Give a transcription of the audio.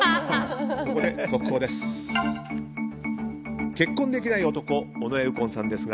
ここで、速報です。